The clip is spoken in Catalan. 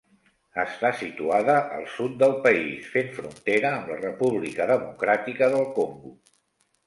Està situada al sud del país, fent frontera amb la República Democràtica del Congo.